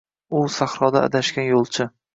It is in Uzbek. U – sahroda adashgan yo’lchi